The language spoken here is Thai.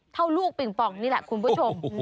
ลูกปิงปองนี่แหละคุณผู้ชม